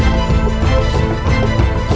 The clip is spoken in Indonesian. rai subang larang